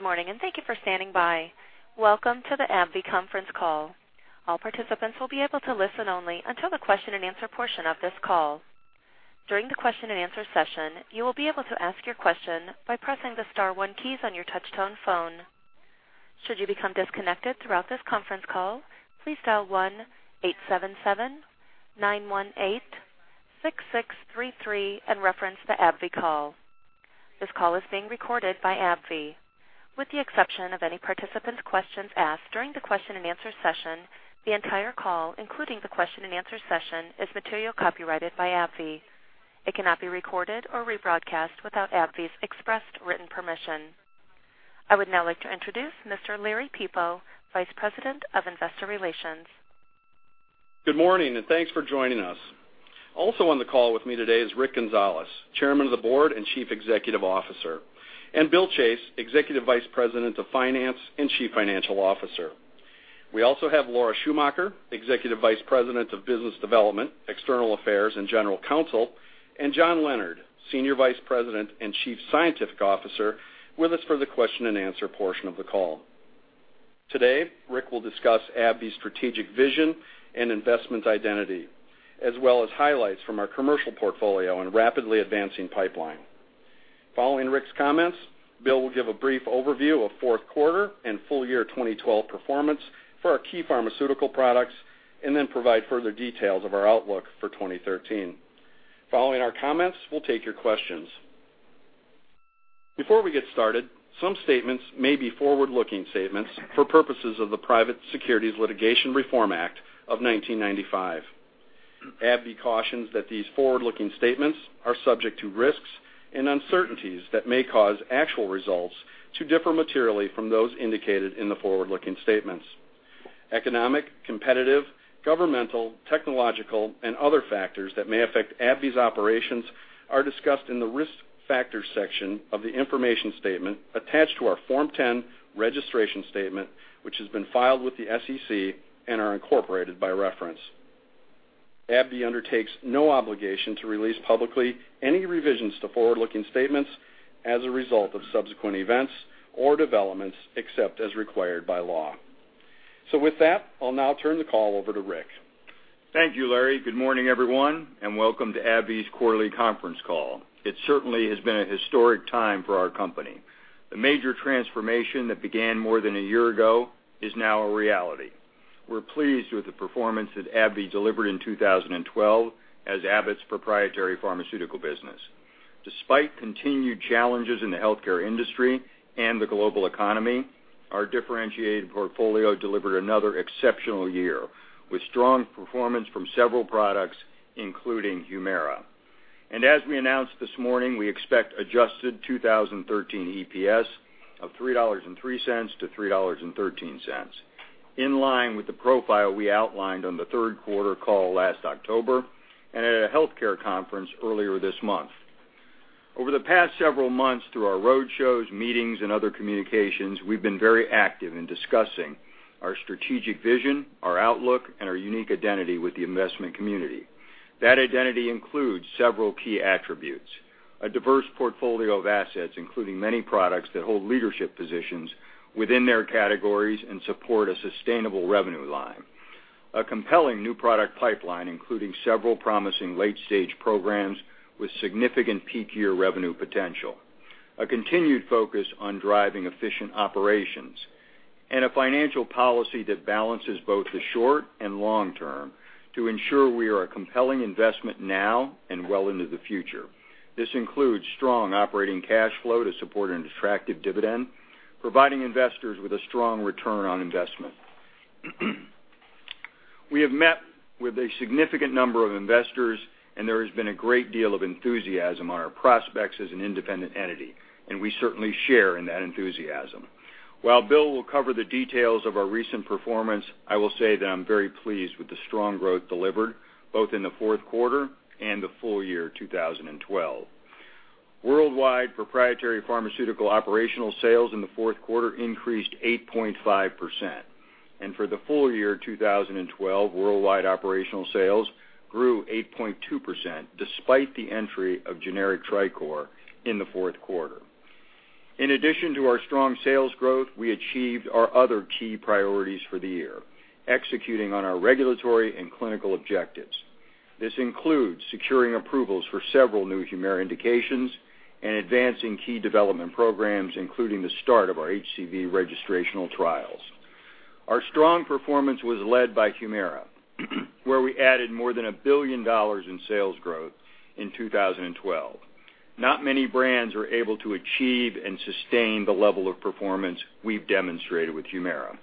Good morning, thank you for standing by. Welcome to the AbbVie conference call. All participants will be able to listen only until the question and answer portion of this call. During the question and answer session, you will be able to ask your question by pressing the star one keys on your touch-tone phone. Should you become disconnected throughout this conference call, please dial 1-877-918-6633 and reference the AbbVie call. This call is being recorded by AbbVie. With the exception of any participant's questions asked during the question and answer session, the entire call, including the question and answer session, is material copyrighted by AbbVie. It cannot be recorded or rebroadcast without AbbVie's expressed written permission. I would now like to introduce Mr. Larry Peepo, Vice President of Investor Relations. Good morning, thanks for joining us. Also on the call with me today is Rick Gonzalez, Chairman of the Board and Chief Executive Officer, and Bill Chase, Executive Vice President of Finance and Chief Financial Officer. We also have Laura Schumacher, Executive Vice President of Business Development, External Affairs, and General Counsel, and John Leonard, Senior Vice President and Chief Scientific Officer, with us for the question and answer portion of the call. Today, Rick will discuss AbbVie's strategic vision and investment identity, as well as highlights from our commercial portfolio and rapidly advancing pipeline. Following Rick's comments, Bill will give a brief overview of fourth quarter and full year 2012 performance for our key pharmaceutical products, then provide further details of our outlook for 2013. Following our comments, we'll take your questions. Before we get started, some statements may be forward-looking statements for purposes of the Private Securities Litigation Reform Act of 1995. AbbVie cautions that these forward-looking statements are subject to risks and uncertainties that may cause actual results to differ materially from those indicated in the forward-looking statements. Economic, competitive, governmental, technological, and other factors that may affect AbbVie's operations are discussed in the risk factors section of the information statement attached to our Form 10 registration statement, which has been filed with the SEC and are incorporated by reference. AbbVie undertakes no obligation to release publicly any revisions to forward-looking statements as a result of subsequent events or developments except as required by law. With that, I'll now turn the call over to Rick. Thank you, Larry. Good morning, everyone, welcome to AbbVie's quarterly conference call. It certainly has been a historic time for our company. The major transformation that began more than a year ago is now a reality. We're pleased with the performance that AbbVie delivered in 2012 as Abbott's proprietary pharmaceutical business. Despite continued challenges in the healthcare industry and the global economy, our differentiated portfolio delivered another exceptional year with strong performance from several products, including HUMIRA. As we announced this morning, we expect adjusted 2013 EPS of $3.03-$3.13, in line with the profile we outlined on the third quarter call last October and at a healthcare conference earlier this month. Over the past several months, through our roadshows, meetings, and other communications, we've been very active in discussing our strategic vision, our outlook, and our unique identity with the investment community. That identity includes several key attributes, a diverse portfolio of assets, including many products that hold leadership positions within their categories and support a sustainable revenue line. A compelling new product pipeline, including several promising late-stage programs with significant peak year revenue potential. A continued focus on driving efficient operations, a financial policy that balances both the short and long term to ensure we are a compelling investment now and well into the future. This includes strong operating cash flow to support an attractive dividend, providing investors with a strong return on investment. We have met with a significant number of investors, there has been a great deal of enthusiasm on our prospects as an independent entity, and we certainly share in that enthusiasm. While Bill will cover the details of our recent performance, I will say that I'm very pleased with the strong growth delivered both in the fourth quarter and the full year 2012. Worldwide proprietary pharmaceutical operational sales in the fourth quarter increased 8.5%. For the full year 2012, worldwide operational sales grew 8.2%, despite the entry of generic TriCor in the fourth quarter. In addition to our strong sales growth, we achieved our other key priorities for the year, executing on our regulatory and clinical objectives. This includes securing approvals for several new HUMIRA indications and advancing key development programs, including the start of our HCV registrational trials. Our strong performance was led by HUMIRA, where we added more than $1 billion in sales growth in 2012. Not many brands are able to achieve and sustain the level of performance we've demonstrated with HUMIRA.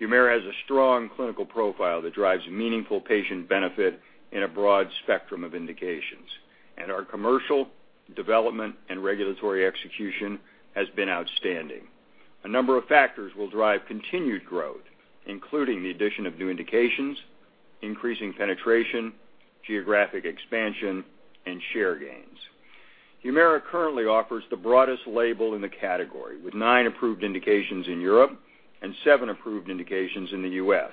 HUMIRA has a strong clinical profile that drives meaningful patient benefit in a broad spectrum of indications, our commercial development and regulatory execution has been outstanding. A number of factors will drive continued growth, including the addition of new indications, increasing penetration, geographic expansion, and share gains. HUMIRA currently offers the broadest label in the category, with nine approved indications in Europe seven approved indications in the U.S.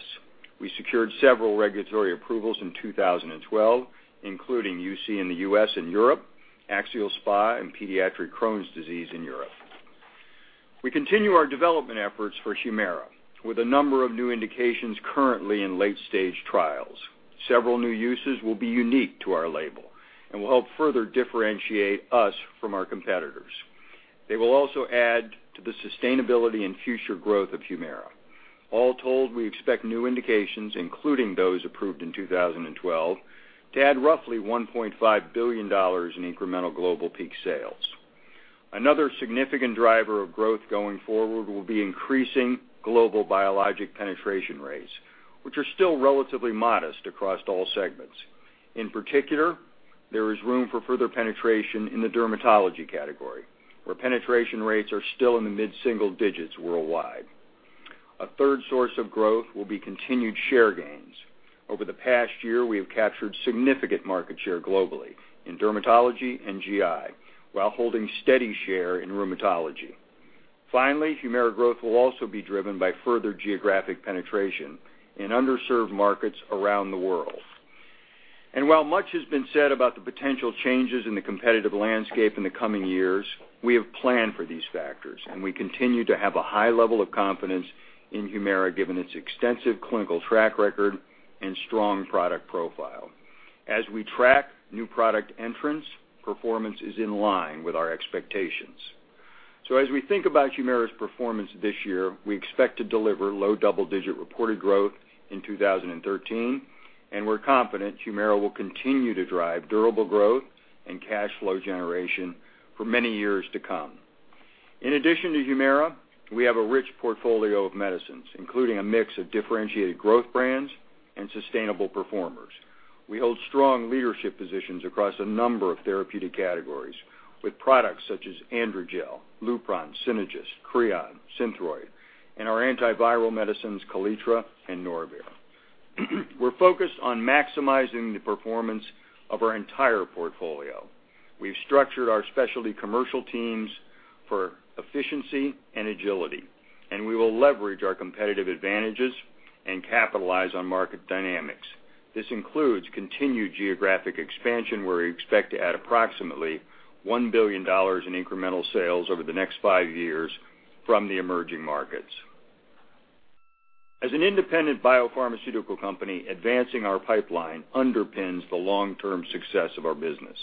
We secured several regulatory approvals in 2012, including UC in the U.S. and Europe, axial SpA, and pediatric Crohn's disease in Europe. We continue our development efforts for HUMIRA, with a number of new indications currently in late-stage trials. Several new uses will be unique to our label and will help further differentiate us from our competitors. They will also add to the sustainability and future growth of HUMIRA. All told, we expect new indications, including those approved in 2012, to add roughly $1.5 billion in incremental global peak sales. Another significant driver of growth going forward will be increasing global biologic penetration rates, which are still relatively modest across all segments. In particular, there is room for further penetration in the dermatology category, where penetration rates are still in the mid-single digits worldwide. A third source of growth will be continued share gains. Over the past year, we have captured significant market share globally in dermatology and GI, while holding steady share in rheumatology. Finally, HUMIRA growth will also be driven by further geographic penetration in underserved markets around the world. While much has been said about the potential changes in the competitive landscape in the coming years, we have planned for these factors, we continue to have a high level of confidence in HUMIRA, given its extensive clinical track record and strong product profile. As we track new product entrants, performance is in line with our expectations. As we think about HUMIRA's performance this year, we expect to deliver low double-digit reported growth in 2013, and we're confident HUMIRA will continue to drive durable growth and cash flow generation for many years to come. In addition to HUMIRA, we have a rich portfolio of medicines, including a mix of differentiated growth brands and sustainable performers. We hold strong leadership positions across a number of therapeutic categories, with products such as AndroGel, Lupron, Synagis, CREON, SYNTHROID, and our antiviral medicines, KALETRA and NORVIR. We're focused on maximizing the performance of our entire portfolio. We've structured our specialty commercial teams for efficiency and agility, we will leverage our competitive advantages and capitalize on market dynamics. This includes continued geographic expansion, where we expect to add approximately $1 billion in incremental sales over the next five years from the emerging markets. As an independent biopharmaceutical company, advancing our pipeline underpins the long-term success of our business.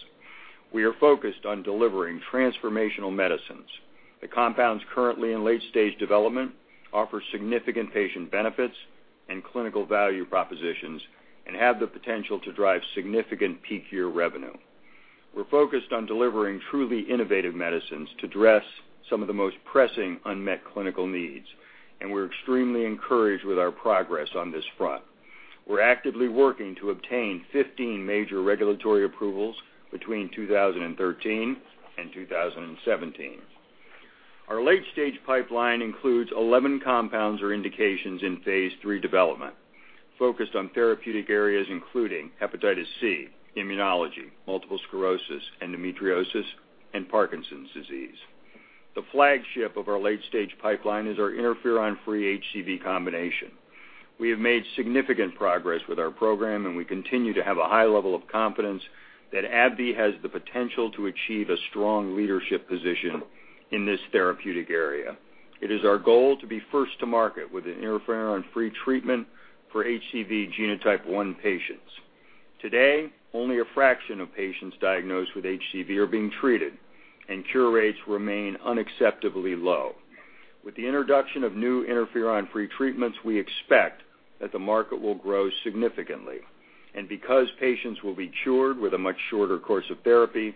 We are focused on delivering transformational medicines. The compounds currently in late-stage development offer significant patient benefits and clinical value propositions and have the potential to drive significant peak year revenue. We're focused on delivering truly innovative medicines to address some of the most pressing unmet clinical needs, we're extremely encouraged with our progress on this front. We're actively working to obtain 15 major regulatory approvals between 2013 and 2017. Our late-stage pipeline includes 11 compounds or indications in phase III development, focused on therapeutic areas including hepatitis C, immunology, multiple sclerosis, endometriosis, and Parkinson's disease. The flagship of our late-stage pipeline is our interferon-free HCV combination. We have made significant progress with our program, we continue to have a high level of confidence that AbbVie has the potential to achieve a strong leadership position in this therapeutic area. It is our goal to be first to market with an interferon-free treatment for HCV genotype 1 patients. Today, only a fraction of patients diagnosed with HCV are being treated, cure rates remain unacceptably low. With the introduction of new interferon-free treatments, we expect that the market will grow significantly. Because patients will be cured with a much shorter course of therapy,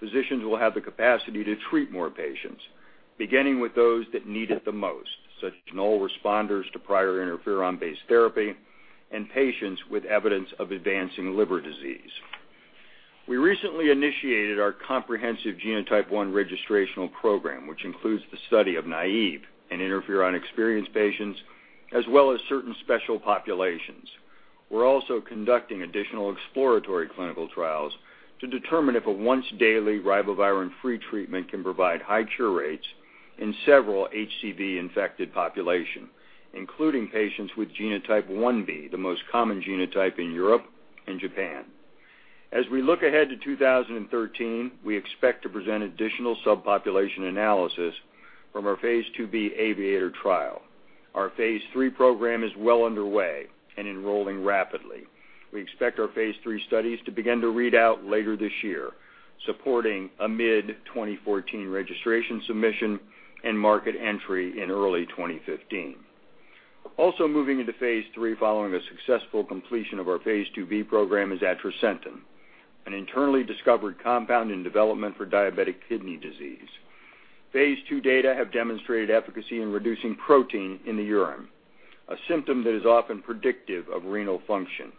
physicians will have the capacity to treat more patients, beginning with those that need it the most, such as null responders to prior interferon-based therapy and patients with evidence of advancing liver disease. We recently initiated our comprehensive genotype 1 registrational program, which includes the study of naive and interferon-experienced patients, as well as certain special populations. We're also conducting additional exploratory clinical trials to determine if a once-daily ribavirin-free treatment can provide high cure rates in several HCV-infected population, including patients with genotype 1b, the most common genotype in Europe and Japan. As we look ahead to 2013, we expect to present additional subpopulation analysis from our phase IIb AVIATOR trial. Our phase III program is well underway and enrolling rapidly. We expect our phase III studies to begin to read out later this year, supporting a mid-2014 registration submission and market entry in early 2015. Also moving into phase III following the successful completion of our phase IIb program is atrasentan, an internally discovered compound in development for diabetic kidney disease. Phase II data have demonstrated efficacy in reducing protein in the urine, a symptom that is often predictive of renal function.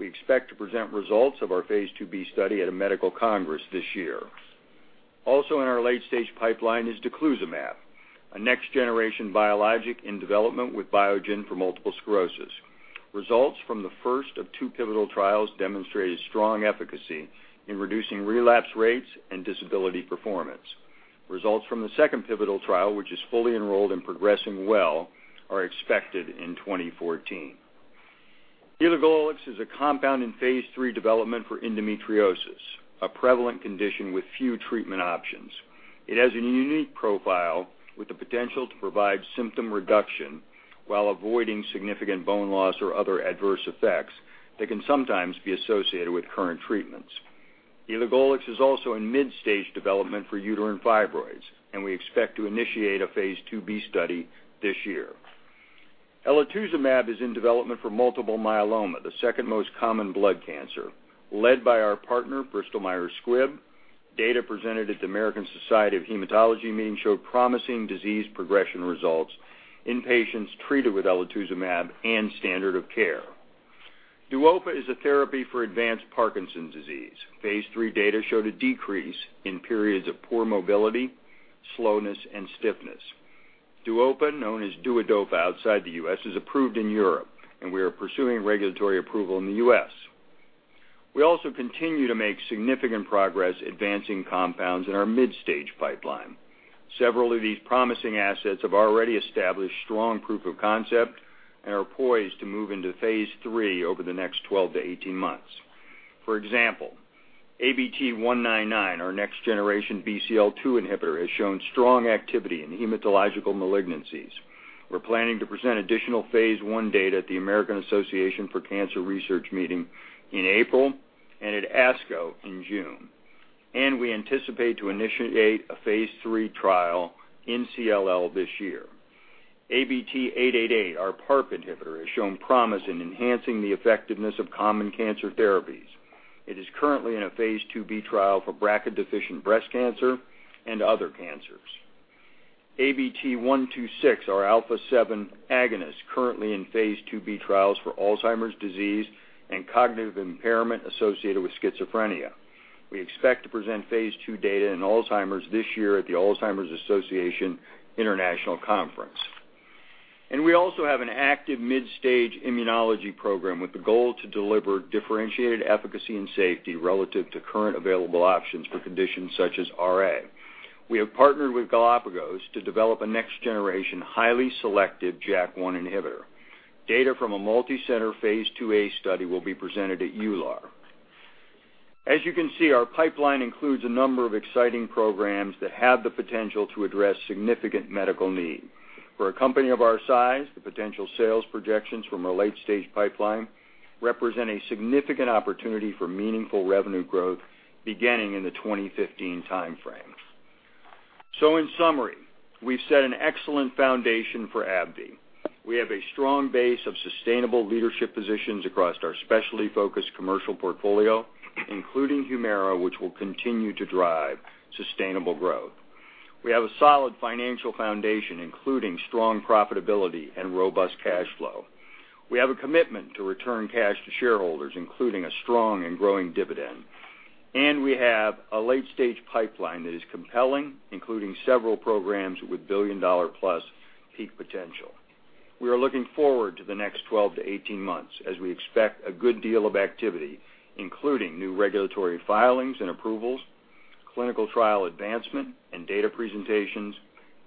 We expect to present results of our phase IIb study at a medical congress this year. Also in our late-stage pipeline is daclizumab, a next-generation biologic in development with Biogen for multiple sclerosis. Results from the first of two pivotal trials demonstrated strong efficacy in reducing relapse rates and disability performance. Results from the second pivotal trial, which is fully enrolled and progressing well, are expected in 2014. Elagolix is a compound in phase III development for endometriosis, a prevalent condition with few treatment options. It has a unique profile with the potential to provide symptom reduction while avoiding significant bone loss or other adverse effects that can sometimes be associated with current treatments. Elagolix is also in mid-stage development for uterine fibroids, we expect to initiate a phase IIb study this year. Elotuzumab is in development for multiple myeloma, the second most common blood cancer, led by our partner, Bristol Myers Squibb. Data presented at the American Society of Hematology meeting showed promising disease progression results in patients treated with elotuzumab and standard of care. Duopa is a therapy for advanced Parkinson's disease. Phase III data showed a decrease in periods of poor mobility, slowness, and stiffness. Duopa, known as DUODOPA outside the U.S., is approved in Europe. We are pursuing regulatory approval in the U.S. We also continue to make significant progress advancing compounds in our mid-stage pipeline. Several of these promising assets have already established strong proof of concept and are poised to move into phase III over the next 12 to 18 months. For example, ABT-199, our next-generation BCL-2 inhibitor, has shown strong activity in hematological malignancies. We're planning to present additional phase I data at the American Association for Cancer Research meeting in April and at ASCO in June. We anticipate to initiate a phase III trial in CLL this year. ABT-888, our PARP inhibitor, has shown promise in enhancing the effectiveness of common cancer therapies. It is currently in a phase IIb trial for BRCA-deficient breast cancer and other cancers. ABT-126, our alpha-7 agonist, currently in phase IIb trials for Alzheimer's disease and cognitive impairment associated with schizophrenia. We expect to present phase II data in Alzheimer's this year at the Alzheimer's Association International Conference. We also have an active mid-stage immunology program with the goal to deliver differentiated efficacy and safety relative to current available options for conditions such as RA. We have partnered with Galapagos to develop a next-generation, highly selective JAK1 inhibitor. Data from a multi-center phase IIa study will be presented at EULAR. As you can see, our pipeline includes a number of exciting programs that have the potential to address significant medical need. For a company of our size, the potential sales projections from our late-stage pipeline represent a significant opportunity for meaningful revenue growth beginning in the 2015 timeframe. In summary, we've set an excellent foundation for AbbVie. We have a strong base of sustainable leadership positions across our specialty-focused commercial portfolio, including HUMIRA, which will continue to drive sustainable growth. We have a solid financial foundation, including strong profitability and robust cash flow. We have a commitment to return cash to shareholders, including a strong and growing dividend. We have a late-stage pipeline that is compelling, including several programs with billion-dollar-plus peak potential. We are looking forward to the next 12 to 18 months as we expect a good deal of activity, including new regulatory filings and approvals, clinical trial advancement, and data presentations.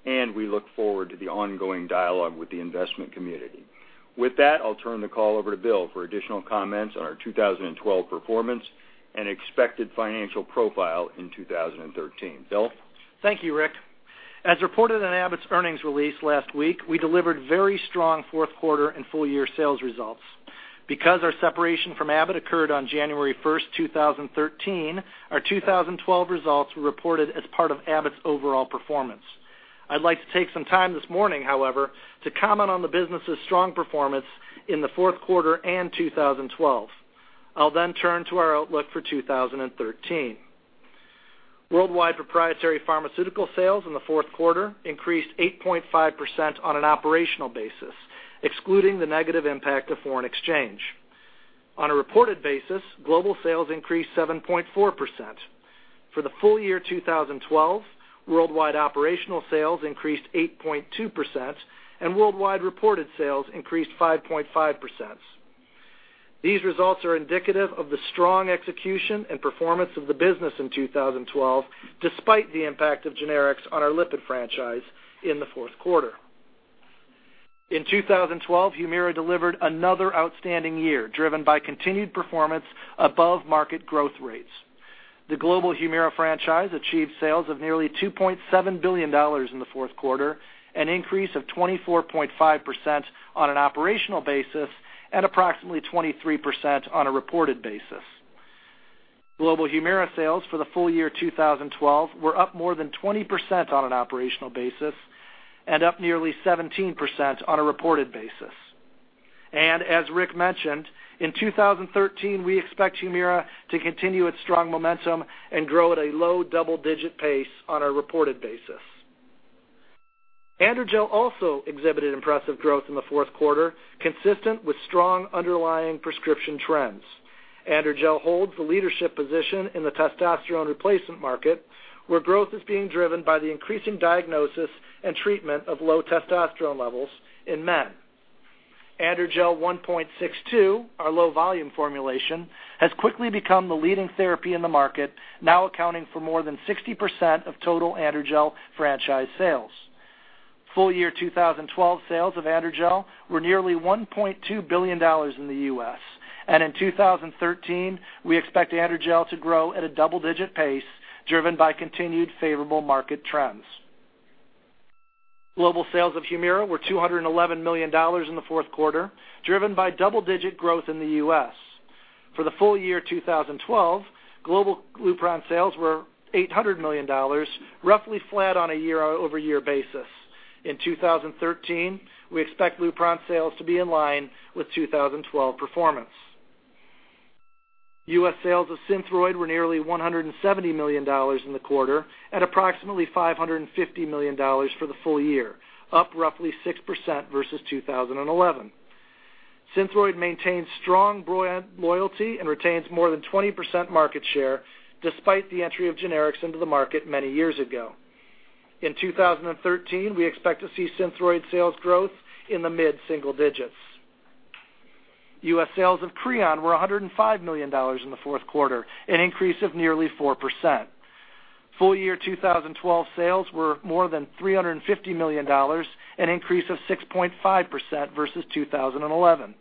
We look forward to the ongoing dialogue with the investment community. With that, I'll turn the call over to Bill for additional comments on our 2012 performance and expected financial profile in 2013. Bill? Thank you, Rick. As reported in Abbott's earnings release last week, we delivered very strong fourth quarter and full-year sales results. Because our separation from Abbott occurred on January 1st, 2013, our 2012 results were reported as part of Abbott's overall performance. I'd like to take some time this morning, however, to comment on the business' strong performance in the fourth quarter and 2012. I'll turn to our outlook for 2013. Worldwide proprietary pharmaceutical sales in the fourth quarter increased 8.5% on an operational basis, excluding the negative impact of foreign exchange. On a reported basis, global sales increased 7.4%. For the full year 2012, worldwide operational sales increased 8.2%, and worldwide reported sales increased 5.5%. These results are indicative of the strong execution and performance of the business in 2012, despite the impact of generics on our lipid franchise in the fourth quarter. In 2012, HUMIRA delivered another outstanding year, driven by continued performance above market growth rates. The global HUMIRA franchise achieved sales of nearly $2.7 billion in the fourth quarter, an increase of 24.5% on an operational basis and approximately 23% on a reported basis. Global HUMIRA sales for the full year 2012 were up more than 20% on an operational basis and up nearly 17% on a reported basis. As Rick mentioned, in 2013, we expect HUMIRA to continue its strong momentum and grow at a low double-digit pace on a reported basis. AndroGel also exhibited impressive growth in the fourth quarter, consistent with strong underlying prescription trends. AndroGel holds the leadership position in the testosterone replacement market, where growth is being driven by the increasing diagnosis and treatment of low testosterone levels in men. AndroGel 1.62, our low volume formulation, has quickly become the leading therapy in the market, now accounting for more than 60% of total AndroGel franchise sales. Full year 2012 sales of AndroGel were nearly $1.2 billion in the U.S. In 2013, we expect AndroGel to grow at a double-digit pace, driven by continued favorable market trends. Global sales of HUMIRA were $211 million in the fourth quarter, driven by double-digit growth in the U.S. For the full year 2012, global LUPRON sales were $800 million, roughly flat on a year-over-year basis. In 2013, we expect LUPRON sales to be in line with 2012 performance. U.S. sales of SYNTHROID were nearly $170 million in the quarter at approximately $550 million for the full year, up roughly 6% versus 2011. SYNTHROID maintains strong brand loyalty and retains more than 20% market share, despite the entry of generics into the market many years ago. In 2013, we expect to see SYNTHROID sales growth in the mid-single digits. U.S. sales of CREON were $105 million in the fourth quarter, an increase of nearly 4%. Full year 2012 sales were more than $350 million, an increase of 6.5% versus 2011.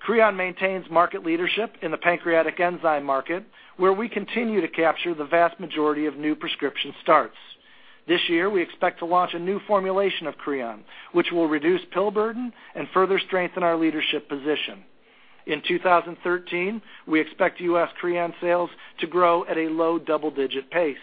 CREON maintains market leadership in the pancreatic enzyme market, where we continue to capture the vast majority of new prescription starts. This year, we expect to launch a new formulation of CREON, which will reduce pill burden and further strengthen our leadership position. In 2013, we expect U.S. CREON sales to grow at a low double-digit pace.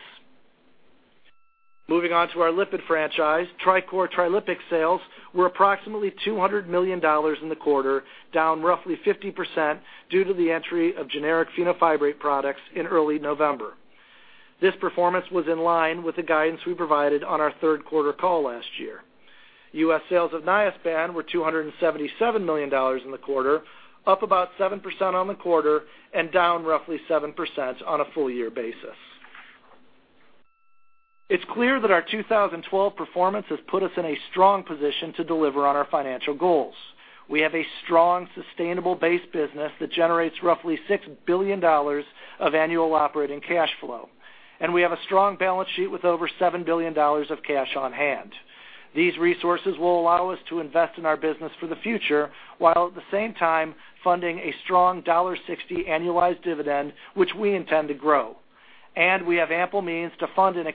Moving on to our lipid franchise, TriCor, Trilipix sales were approximately $200 million in the quarter, down roughly 50% due to the entry of generic fenofibrate products in early November. This performance was in line with the guidance we provided on our third quarter call last year. U.S. sales of Niaspan were $277 million in the quarter, up about 7% on the quarter and down roughly 7% on a full year basis. It's clear that our 2012 performance has put us in a strong position to deliver on our financial goals. We have a strong, sustainable base business that generates roughly $6 billion of annual operating cash flow. We have a strong balance sheet with over $7 billion of cash on hand. These resources will allow us to invest in our business for the future, while at the same time funding a strong $1.60 annualized dividend, which we intend to grow. We have ample means to fund an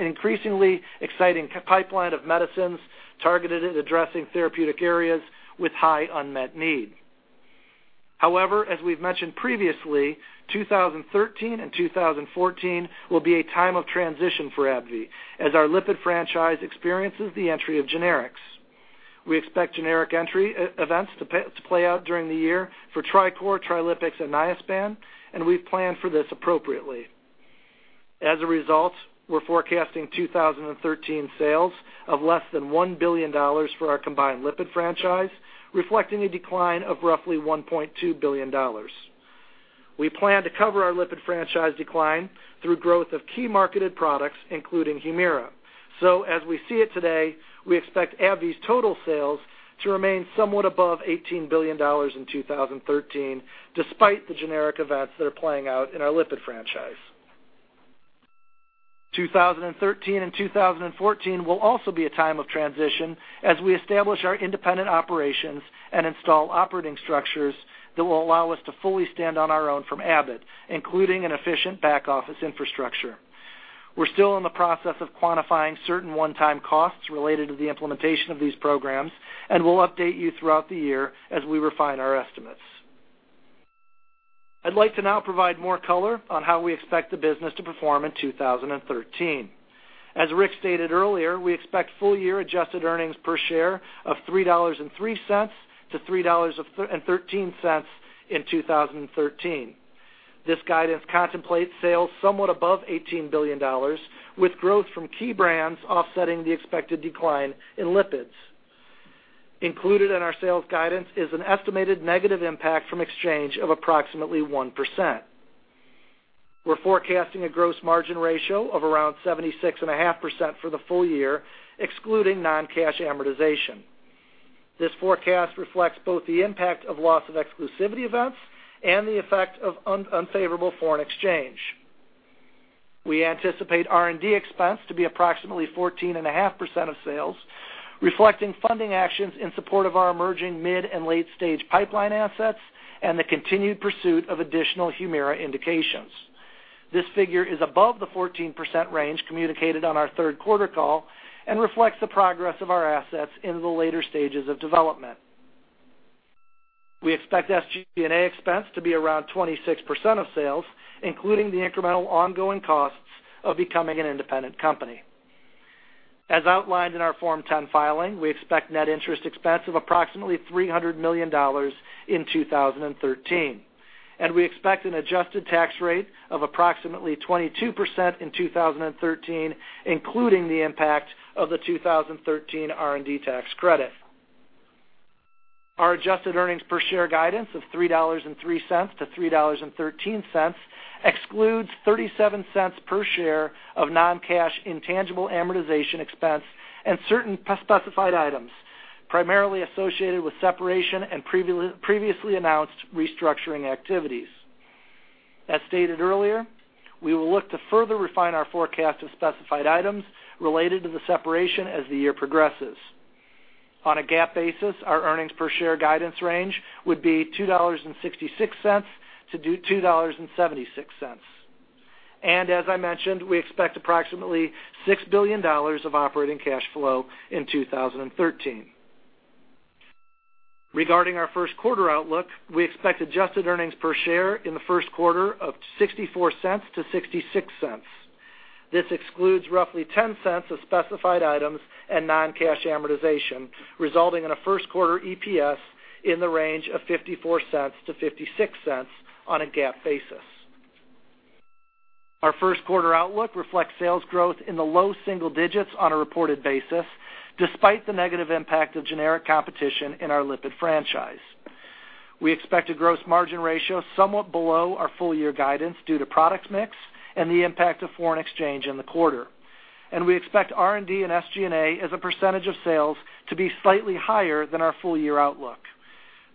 increasingly exciting pipeline of medicines targeted at addressing therapeutic areas with high unmet need. However, as we've mentioned previously, 2013 and 2014 will be a time of transition for AbbVie as our lipid franchise experiences the entry of generics. We expect generic entry events to play out during the year for TriCor, Trilipix, and Niaspan, and we've planned for this appropriately. As a result, we're forecasting 2013 sales of less than $1 billion for our combined lipid franchise, reflecting a decline of roughly $1.2 billion. We plan to cover our lipid franchise decline through growth of key marketed products, including HUMIRA. As we see it today, we expect AbbVie's total sales to remain somewhat above $18 billion in 2013, despite the generic events that are playing out in our lipid franchise. 2013 and 2014 will also be a time of transition as we establish our independent operations and install operating structures that will allow us to fully stand on our own from Abbott, including an efficient back-office infrastructure. We're still in the process of quantifying certain one-time costs related to the implementation of these programs, and we'll update you throughout the year as we refine our estimates. I'd like to now provide more color on how we expect the business to perform in 2013. As Rick stated earlier, we expect full year adjusted earnings per share of $3.03 to $3.13 in 2013. This guidance contemplates sales somewhat above $18 billion, with growth from key brands offsetting the expected decline in lipids. Included in our sales guidance is an estimated negative impact from exchange of approximately 1%. We're forecasting a gross margin ratio of around 76.5% for the full year, excluding non-cash amortization. This forecast reflects both the impact of loss of exclusivity events and the effect of unfavorable foreign exchange. We anticipate R&D expense to be approximately 14.5% of sales, reflecting funding actions in support of our emerging mid and late-stage pipeline assets and the continued pursuit of additional HUMIRA indications. This figure is above the 14% range communicated on our third quarter call and reflects the progress of our assets in the later stages of development. We expect SG&A expense to be around 26% of sales, including the incremental ongoing costs of becoming an independent company. As outlined in our Form 10 filing, we expect net interest expense of approximately $300 million in 2013, and we expect an adjusted tax rate of approximately 22% in 2013, including the impact of the 2013 R&D tax credit. Our adjusted EPS guidance of $3.03-$3.13 excludes $0.37 per share of non-cash intangible amortization expense and certain specified items primarily associated with separation and previously announced restructuring activities. As stated earlier, we will look to further refine our forecast of specified items related to the separation as the year progresses. On a GAAP basis, our EPS guidance range would be $2.66-$2.76. As I mentioned, we expect approximately $6 billion of operating cash flow in 2013. Regarding our first quarter outlook, we expect adjusted EPS in the first quarter of $0.64-$0.66. This excludes roughly $0.10 of specified items and non-cash amortization, resulting in a first quarter EPS in the range of $0.54-$0.56 on a GAAP basis. Our first quarter outlook reflects sales growth in the low single digits on a reported basis, despite the negative impact of generic competition in our lipid franchise. We expect a gross margin ratio somewhat below our full-year guidance due to product mix and the impact of foreign exchange in the quarter. We expect R&D and SG&A as a percentage of sales to be slightly higher than our full-year outlook.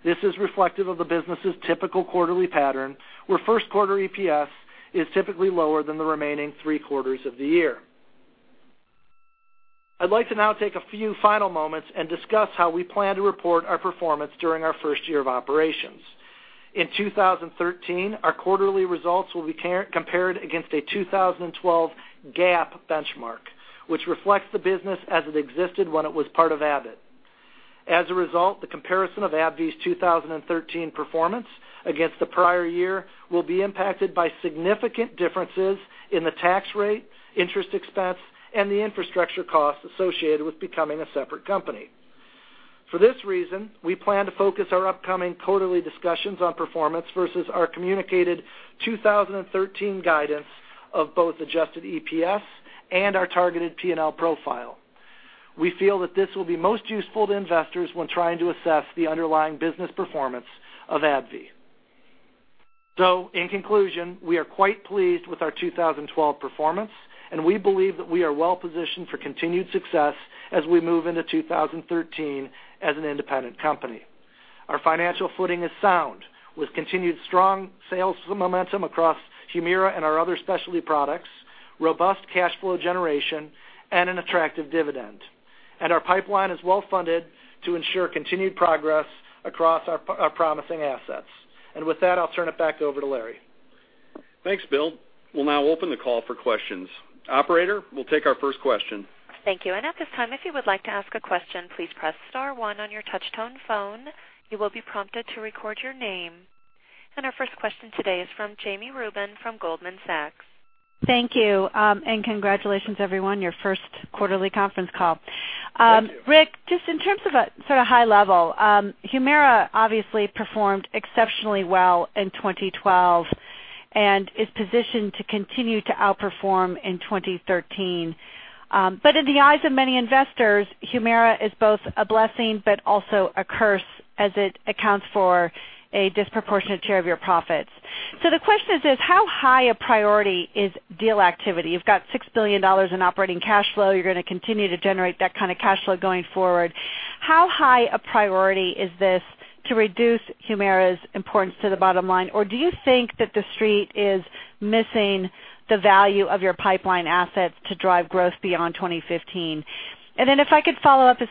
This is reflective of the business's typical quarterly pattern, where first quarter EPS is typically lower than the remaining three quarters of the year. I'd like to now take a few final moments and discuss how we plan to report our performance during our first year of operations. In 2013, our quarterly results will be compared against a 2012 GAAP benchmark, which reflects the business as it existed when it was part of Abbott. As a result, the comparison of AbbVie's 2013 performance against the prior year will be impacted by significant differences in the tax rate, interest expense, and the infrastructure costs associated with becoming a separate company. For this reason, we plan to focus our upcoming quarterly discussions on performance versus our communicated 2013 guidance of both adjusted EPS and our targeted P&L profile. We feel that this will be most useful to investors when trying to assess the underlying business performance of AbbVie. In conclusion, we are quite pleased with our 2012 performance, and we believe that we are well-positioned for continued success as we move into 2013 as an independent company. Our financial footing is sound, with continued strong sales momentum across HUMIRA and our other specialty products, robust cash flow generation, and an attractive dividend. Our pipeline is well-funded to ensure continued progress across our promising assets. With that, I'll turn it back over to Larry. Thanks, Bill. We'll now open the call for questions. Operator, we'll take our first question. Thank you. At this time, if you would like to ask a question, please press *1 on your touch-tone phone. You will be prompted to record your name. Our first question today is from Jami Rubin from Goldman Sachs. Thank you. Congratulations, everyone, your first quarterly conference call. Thank you. Rick, just in terms of a high level, HUMIRA obviously performed exceptionally well in 2012 and is positioned to continue to outperform in 2013. In the eyes of many investors, HUMIRA is both a blessing but also a curse as it accounts for a disproportionate share of your profits. The question is this: how high a priority is deal activity? You've got $6 billion in operating cash flow. You're going to continue to generate that kind of cash flow going forward. How high a priority is this to reduce HUMIRA's importance to the bottom line? Do you think that The Street is missing the value of your pipeline assets to drive growth beyond 2015? Then if I could follow up with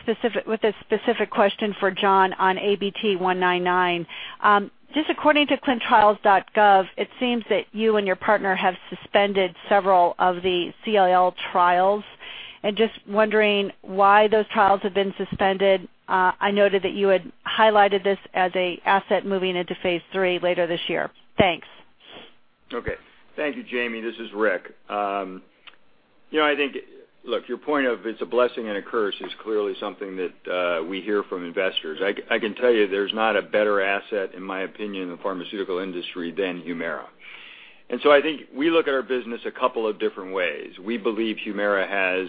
a specific question for John on ABT-199. Just according to clinicaltrials.gov, it seems that you and your partner have suspended several of the CLL trials. Just wondering why those trials have been suspended. I noted that you had highlighted this as a asset moving into phase III later this year. Thanks. Okay. Thank you, Jami. This is Rick. Look, your point of it's a blessing and a curse is clearly something that we hear from investors. I can tell you there's not a better asset, in my opinion, in the pharmaceutical industry than HUMIRA. I think we look at our business a couple of different ways. We believe HUMIRA has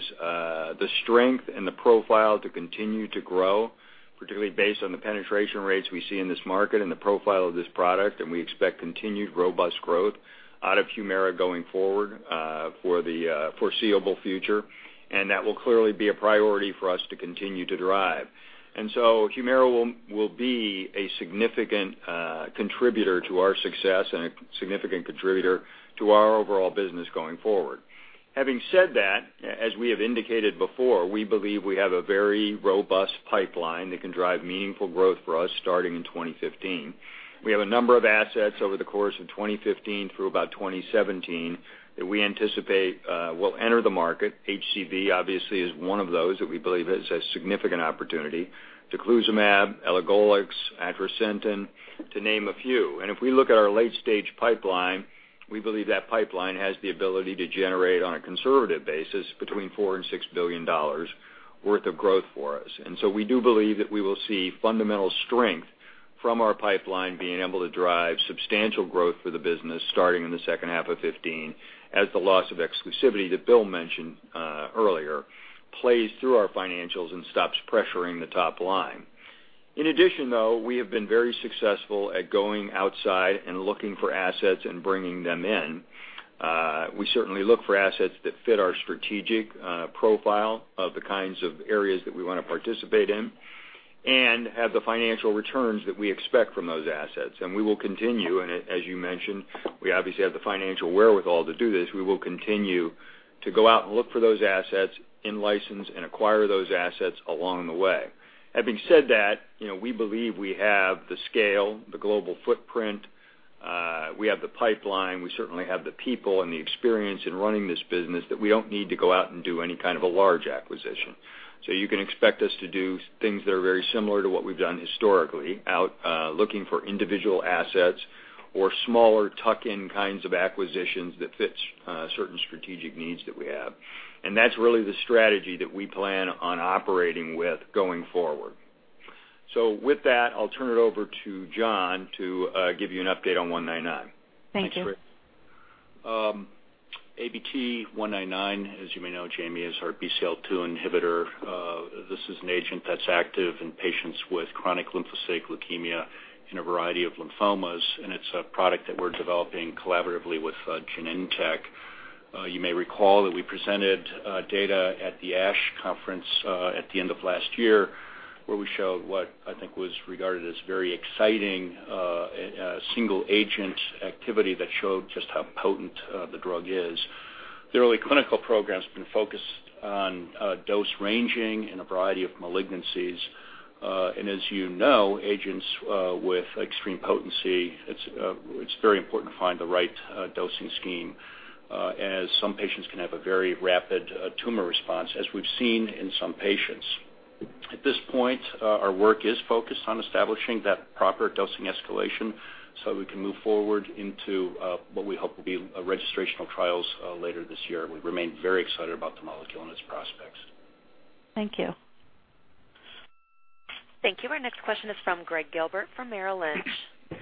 the strength and the profile to continue to grow, particularly based on the penetration rates we see in this market and the profile of this product, and we expect continued robust growth out of HUMIRA going forward for the foreseeable future. That will clearly be a priority for us to continue to drive. HUMIRA will be a significant contributor to our success and a significant contributor to our overall business going forward. Having said that, as we have indicated before, we believe we have a very robust pipeline that can drive meaningful growth for us starting in 2015. We have a number of assets over the course of 2015 through about 2017 that we anticipate will enter the market. HCV obviously is one of those that we believe is a significant opportunity. daclizumab, elagolix, atrasentan, to name a few. If we look at our late-stage pipeline, we believe that pipeline has the ability to generate, on a conservative basis, between $4 billion and $6 billion worth of growth for us. We do believe that we will see fundamental strength From our pipeline being able to drive substantial growth for the business starting in the second half of 2015, as the loss of exclusivity that Bill mentioned earlier plays through our financials and stops pressuring the top line. In addition, though, we have been very successful at going outside and looking for assets and bringing them in. We certainly look for assets that fit our strategic profile of the kinds of areas that we want to participate in and have the financial returns that we expect from those assets. We will continue, and as you mentioned, we obviously have the financial wherewithal to do this. We will continue to go out and look for those assets, in-license, and acquire those assets along the way. Having said that, we believe we have the scale, the global footprint, we have the pipeline, we certainly have the people and the experience in running this business that we don't need to go out and do any kind of a large acquisition. You can expect us to do things that are very similar to what we've done historically, out looking for individual assets or smaller tuck-in kinds of acquisitions that fits certain strategic needs that we have. That's really the strategy that we plan on operating with going forward. With that, I'll turn it over to John to give you an update on 199. Thank you. Thanks, Rick. ABT-199, as you may know, Jami, is our BCL-2 inhibitor. This is an agent that's active in patients with chronic lymphocytic leukemia in a variety of lymphomas, and it's a product that we're developing collaboratively with Genentech. You may recall that we presented data at the ASH conference at the end of last year, where we showed what I think was regarded as very exciting single-agent activity that showed just how potent the drug is. The early clinical program's been focused on dose ranging in a variety of malignancies. As you know, agents with extreme potency, it's very important to find the right dosing scheme, as some patients can have a very rapid tumor response, as we've seen in some patients. At this point, our work is focused on establishing that proper dosing escalation so we can move forward into what we hope will be registrational trials later this year. We remain very excited about the molecule and its prospects. Thank you. Thank you. Our next question is from Gregg Gilbert from Merrill Lynch.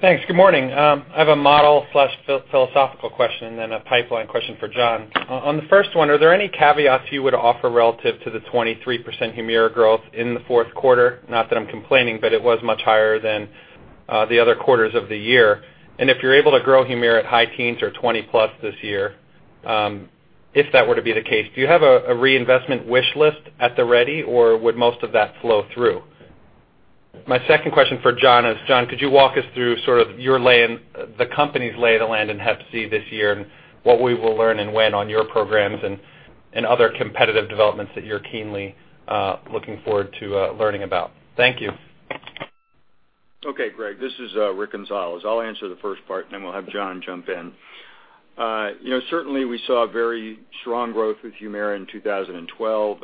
Thanks. Good morning. I have a model/philosophical question, then a pipeline question for John. On the first one, are there any caveats you would offer relative to the 23% HUMIRA growth in the fourth quarter? Not that I'm complaining, but it was much higher than the other quarters of the year. If you're able to grow HUMIRA at high teens or 20 plus this year, if that were to be the case, do you have a reinvestment wish list at the ready, or would most of that flow through? My second question for John is, John, could you walk us through the company's lay of the land in hep C this year and what we will learn and when on your programs and other competitive developments that you're keenly looking forward to learning about? Thank you. Okay, Gregg. This is Rick Gonzalez. I'll answer the first part, then we'll have John jump in. Certainly, we saw very strong growth with HUMIRA in 2012.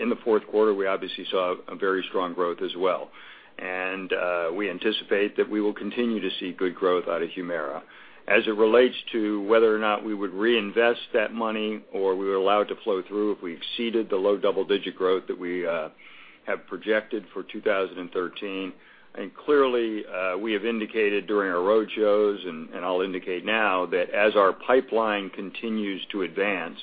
In the fourth quarter, we obviously saw a very strong growth as well. We anticipate that we will continue to see good growth out of HUMIRA. As it relates to whether or not we would reinvest that money or we would allow it to flow through if we exceeded the low double-digit growth that we have projected for 2013, and clearly, we have indicated during our roadshows, and I'll indicate now that as our pipeline continues to advance,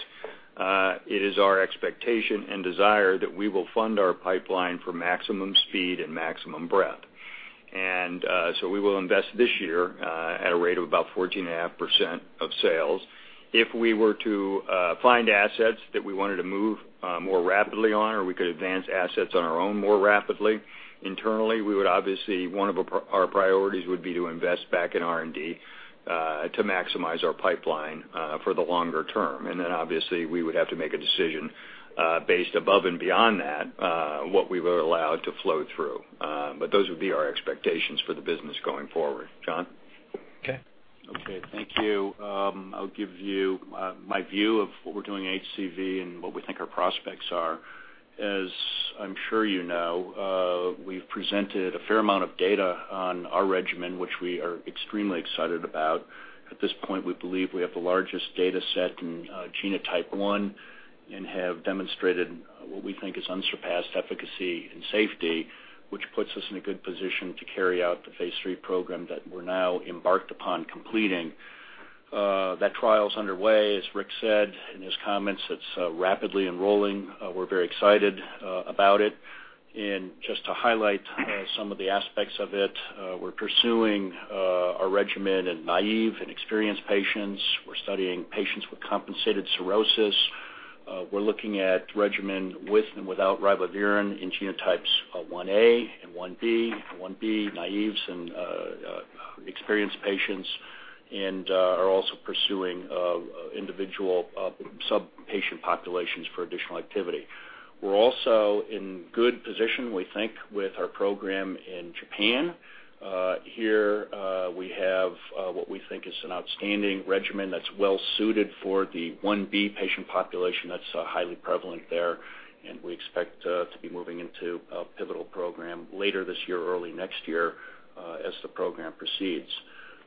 it is our expectation and desire that we will fund our pipeline for maximum speed and maximum breadth. We will invest this year at a rate of about 14.5% of sales. If we were to find assets that we wanted to move more rapidly on or we could advance assets on our own more rapidly internally, obviously, one of our priorities would be to invest back in R&D to maximize our pipeline for the longer term. Obviously, we would have to make a decision based above and beyond that, what we would allow to flow through. Those would be our expectations for the business going forward. John? Okay. Thank you. I'll give you my view of what we're doing in HCV and what we think our prospects are. As I'm sure you know, we've presented a fair amount of data on our regimen, which we are extremely excited about. At this point, we believe we have the largest data set in genotype 1 and have demonstrated what we think is unsurpassed efficacy and safety, which puts us in a good position to carry out the phase III program that we're now embarked upon completing. That trial's underway, as Rick said in his comments. It's rapidly enrolling. We're very excited about it. Just to highlight some of the aspects of it, we're pursuing a regimen in naive and experienced patients. We're studying patients with compensated cirrhosis. We're looking at regimen with and without ribavirin in genotypes 1a and 1b naives and experienced patients. Are also pursuing individual sub-patient populations for additional activity. We're also in good position, we think, with our program in Japan. Here we have what we think is an outstanding regimen that's well-suited for the 1b patient population that's highly prevalent there. We expect to be moving into a pivotal program later this year or early next year as the program proceeds.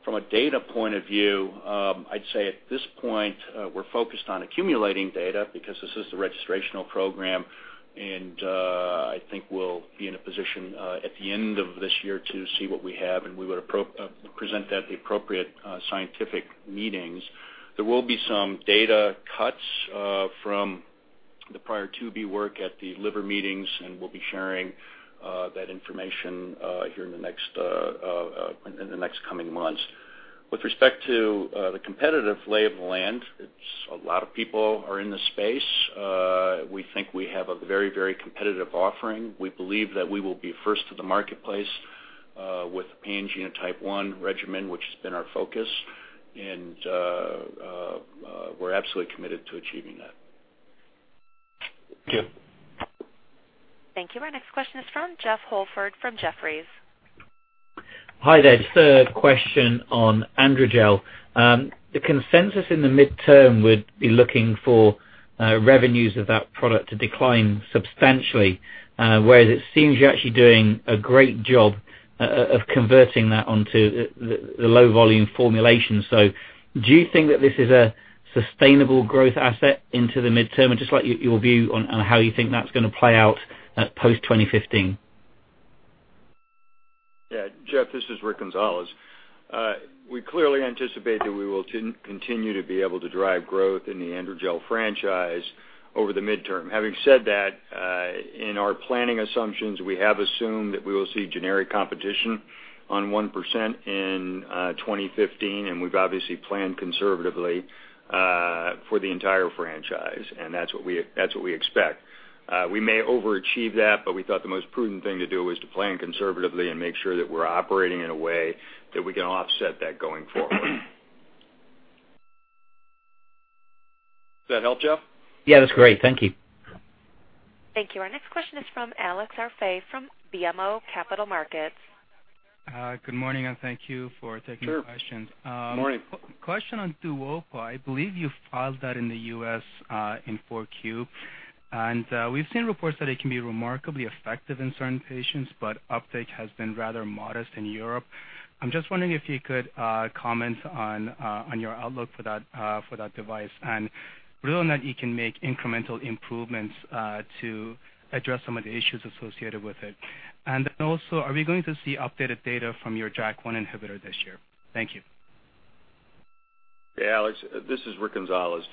From a data point of view, I'd say at this point, we're focused on accumulating data because this is the registrational program. I think we'll be in a position at the end of this year to see what we have. We would present that at the appropriate scientific meetings. There will be some data cuts from the prior phase IIb work at the liver meetings. We'll be sharing that information here in the next coming months. With respect to the competitive lay of the land, a lot of people are in the space. We think we have a very competitive offering. We believe that we will be first to the marketplace with pan genotype 1 regimen, which has been our focus. We're absolutely committed to achieving that. Thank you. Thank you. Our next question is from Jeffrey Holford from Jefferies. Hi there. Just a question on AndroGel. The consensus in the midterm would be looking for revenues of that product to decline substantially. Whereas it seems you're actually doing a great job of converting that onto the low volume formulation. Do you think that this is a sustainable growth asset into the midterm? Just like your view on how you think that's going to play out at post 2015. Yeah. Jeff, this is Rick Gonzalez. We clearly anticipate that we will continue to be able to drive growth in the AndroGel franchise over the midterm. Having said that, in our planning assumptions, we have assumed that we will see generic competition on 1% in 2015, and we've obviously planned conservatively for the entire franchise, and that's what we expect. We may overachieve that, but we thought the most prudent thing to do was to plan conservatively and make sure that we're operating in a way that we can offset that going forward. Did that help, Jeff? Yeah, that's great. Thank you. Thank you. Our next question is from Alex Arfaei from BMO Capital Markets. Good morning. Thank you for taking questions. Sure. Good morning. Question on DUOPA. I believe you filed that in the U.S. in 4Q. We've seen reports that it can be remarkably effective in certain patients, but uptake has been rather modest in Europe. I'm just wondering if you could comment on your outlook for that device, and whether or not you can make incremental improvements to address some of the issues associated with it. Also, are we going to see updated data from your JAK1 inhibitor this year? Thank you. Alex, this is Rick Gonzalez.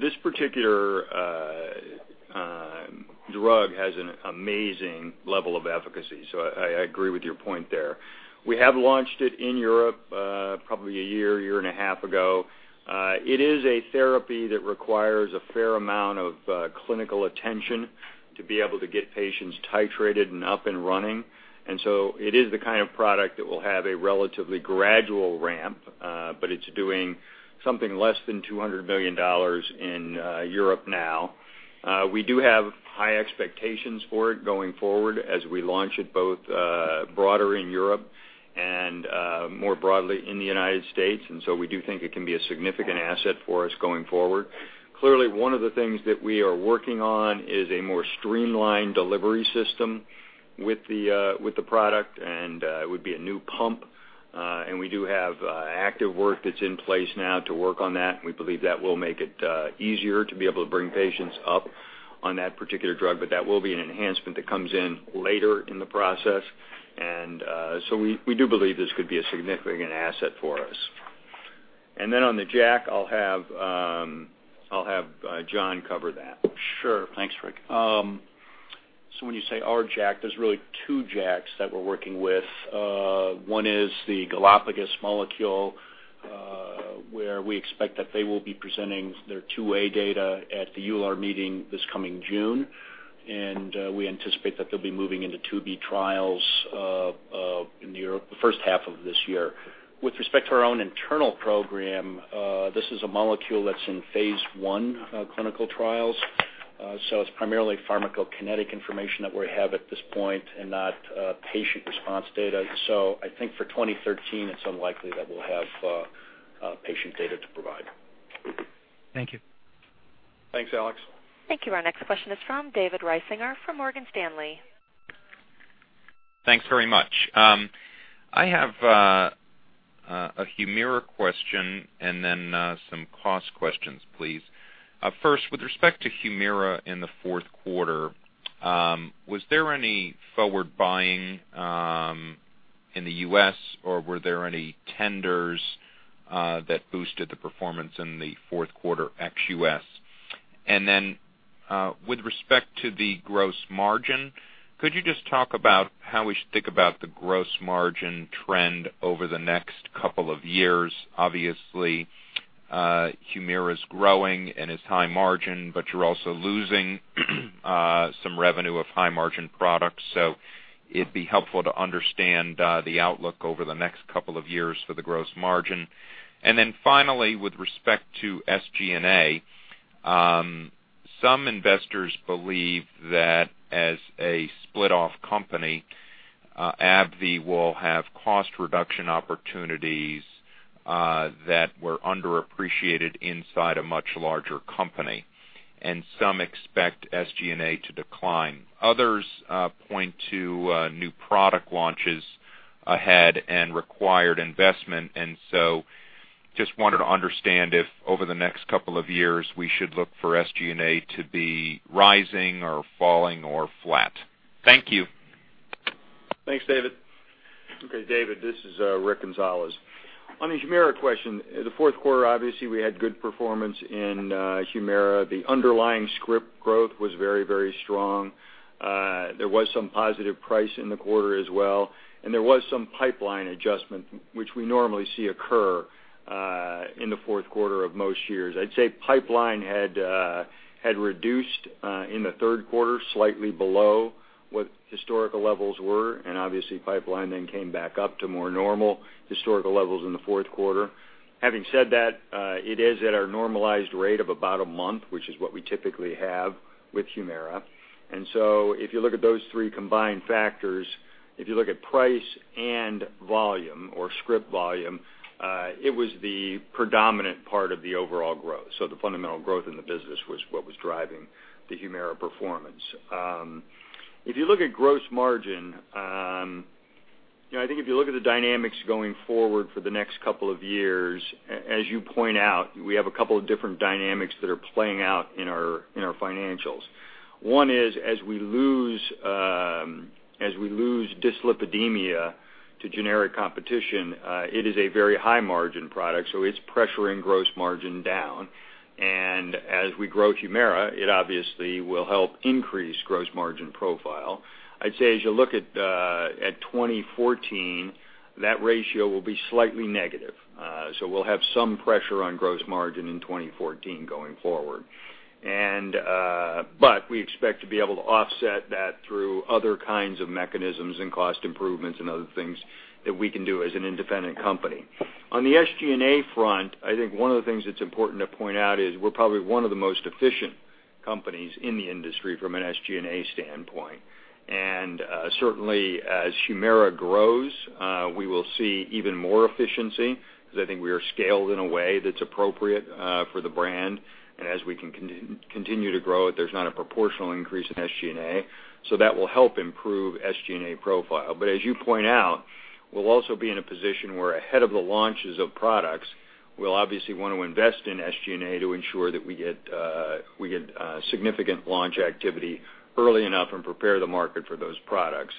This particular drug has an amazing level of efficacy, I agree with your point there. We have launched it in Europe probably a year and a half ago. It is a therapy that requires a fair amount of clinical attention to be able to get patients titrated and up and running. It is the kind of product that will have a relatively gradual ramp, but it's doing something less than $200 million in Europe now. We do have high expectations for it going forward as we launch it both broader in Europe and more broadly in the U.S., we do think it can be a significant asset for us going forward. Clearly, one of the things that we are working on is a more streamlined delivery system with the product, and it would be a new pump. We do have active work that's in place now to work on that, and we believe that will make it easier to be able to bring patients up on that particular drug. That will be an enhancement that comes in later in the process. We do believe this could be a significant asset for us. On the JAK, I'll have John cover that. Sure. Thanks, Rick. When you say our JAK, there's really two JAKs that we're working with. One is the Galapagos molecule, where we expect that they will be presenting their 2A data at the EULAR meeting this coming June. We anticipate that they'll be moving into 2B trials in the first half of this year. With respect to our own internal program, this is a molecule that's in phase I clinical trials. It's primarily pharmacokinetic information that we have at this point and not patient response data. I think for 2013, it's unlikely that we'll have patient data to provide. Thank you. Thanks, Alex. Thank you. Our next question is from David Risinger from Morgan Stanley. Thanks very much. I have a HUMIRA question. Then some cost questions, please. First, with respect to HUMIRA in the fourth quarter, was there any forward buying in the U.S., or were there any tenders that boosted the performance in the fourth quarter ex-U.S.? Then, with respect to the gross margin, could you just talk about how we should think about the gross margin trend over the next couple of years? Obviously, HUMIRA's growing and is high margin, but you're also losing some revenue of high margin products, so it'd be helpful to understand the outlook over the next couple of years for the gross margin. Finally, with respect to SG&A, some investors believe that as a split-off company, AbbVie will have cost reduction opportunities that were underappreciated inside a much larger company. Some expect SG&A to decline. Others point to new product launches ahead and required investment. Just wanted to understand if over the next couple of years, we should look for SG&A to be rising or falling or flat. Thank you. Thanks, David. Okay, David, this is Rick Gonzalez. On the HUMIRA question, the fourth quarter, obviously, we had good performance in HUMIRA. The underlying script growth was very strong. There was some positive price in the quarter as well, and there was some pipeline adjustment, which we normally see occur in the fourth quarter of most years. I'd say pipeline had reduced in the third quarter, slightly below what historical levels were, and obviously pipeline then came back up to more normal historical levels in the fourth quarter. Having said that, it is at our normalized rate of about a month, which is what we typically have with HUMIRA. If you look at those three combined factors, if you look at price and volume or script volume, it was the predominant part of the overall growth. The fundamental growth in the business was what was driving the HUMIRA performance. If you look at gross margin, I think if you look at the dynamics going forward for the next couple of years, as you point out, we have a couple of different dynamics that are playing out in our financials. One is as we lose dyslipidemia to generic competition, it is a very high-margin product, so it's pressuring gross margin down. As we grow HUMIRA, it obviously will help increase gross margin profile. I'd say as you look at 2014, that ratio will be slightly negative. We'll have some pressure on gross margin in 2014 going forward. We expect to be able to offset that through other kinds of mechanisms and cost improvements and other things that we can do as an independent company. On the SG&A front, I think one of the things that's important to point out is we're probably one of the most efficient companies in the industry from an SG&A standpoint. Certainly as HUMIRA grows, we will see even more efficiency because I think we are scaled in a way that's appropriate for the brand. As we can continue to grow it, there's not a proportional increase in SG&A. That will help improve SG&A profile. As you point out, we'll also be in a position where ahead of the launches of products, we'll obviously want to invest in SG&A to ensure that we get significant launch activity early enough and prepare the market for those products.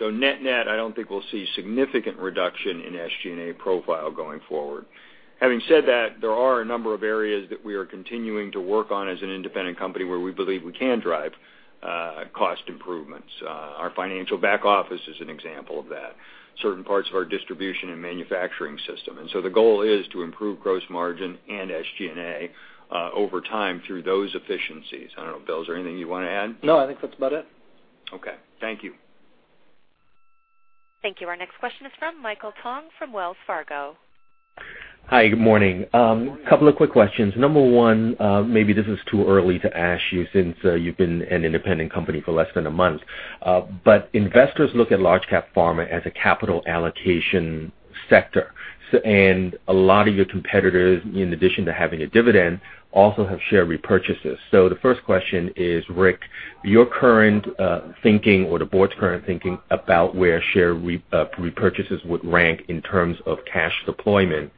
Net-net, I don't think we'll see significant reduction in SG&A profile going forward. Having said that, there are a number of areas that we are continuing to work on as an independent company where we believe we can drive cost improvements. Our financial back office is an example of that. Certain parts of our distribution and manufacturing system. The goal is to improve gross margin and SG&A over time through those efficiencies. I don't know, Bill, is there anything you want to add? No, I think that's about it. Okay. Thank you. Thank you. Our next question is from Michael Tong from Wells Fargo. Hi, good morning. couple of quick questions. Number one, maybe this is too early to ask you since you've been an independent company for less than a month. Investors look at large cap pharma as a capital allocation sector. A lot of your competitors, in addition to having a dividend, also have share repurchases. The first question is, Rick, your current thinking or the board's current thinking about where share repurchases would rank in terms of cash deployment.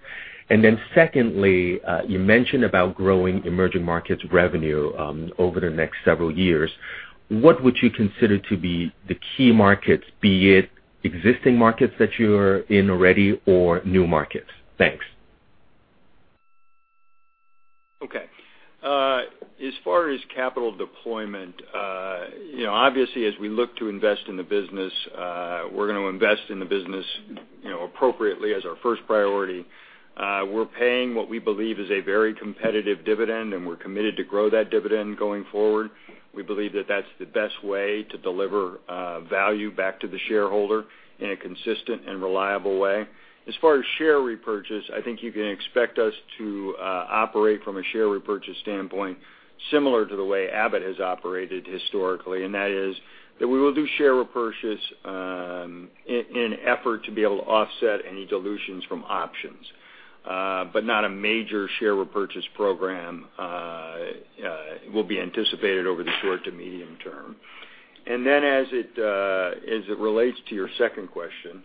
Secondly, you mentioned about growing emerging markets revenue over the next several years. What would you consider to be the key markets, be it existing markets that you're in already or new markets? Thanks. Okay. As far as capital deployment, obviously as we look to invest in the business, we're going to invest in the business appropriately as our first priority. We're paying what we believe is a very competitive dividend, and we're committed to grow that dividend going forward. We believe that that's the best way to deliver value back to the shareholder in a consistent and reliable way. As far as share repurchase, I think you can expect us to operate from a share repurchase standpoint similar to the way Abbott has operated historically, and that is that we will do share repurchase in effort to be able to offset any dilutions from options. Not a major share repurchase program will be anticipated over the short to medium term. As it relates to your second question,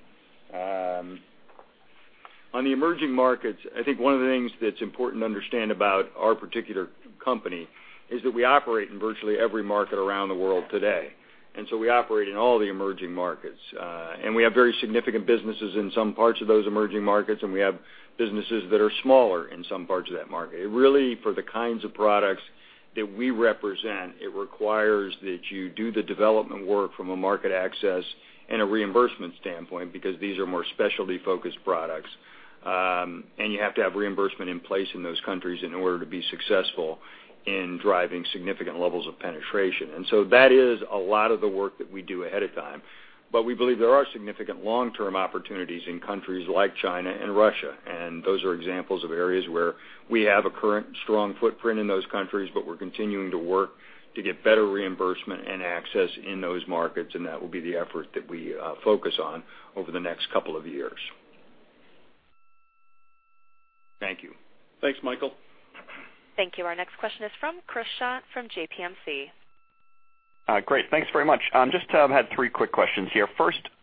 on the emerging markets, I think one of the things that's important to understand about our particular company is that we operate in virtually every market around the world today. We operate in all the emerging markets. We have very significant businesses in some parts of those emerging markets, and we have businesses that are smaller in some parts of that market. Really, for the kinds of products that we represent, it requires that you do the development work from a market access and a reimbursement standpoint because these are more specialty-focused products. You have to have reimbursement in place in those countries in order to be successful in driving significant levels of penetration. That is a lot of the work that we do ahead of time. We believe there are significant long-term opportunities in countries like China and Russia. Those are examples of areas where we have a current strong footprint in those countries, but we're continuing to work to get better reimbursement and access in those markets, and that will be the effort that we focus on over the next couple of years. Thanks, Michael. Thank you. Our next question is from Chris Schott from JPMC. Great. Thanks very much. Just had three quick questions here.